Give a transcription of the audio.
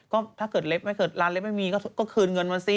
ก็ถ้าเกิดเล็บไม่เกิดร้านเล็บไม่มีก็คืนเงินมาสิ